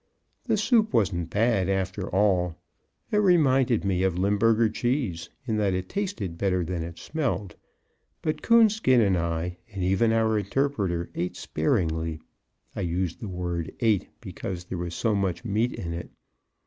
The soup wasn't bad, after all; it reminded me of Limburger cheese, in that it tasted better than it smelled. But Coonskin and I, and even our interpreter, ate sparingly (I use the word "ate," because there was so much meat in it).